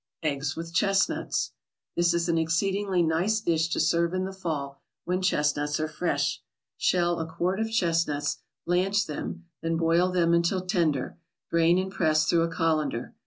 EGGS WITH CHESTNUTS This is an exceedingly nice dish to serve in the Fall when chestnuts are fresh. Shell a quart of chestnuts, blanch them, then boil them until tender; drain and press through a colander.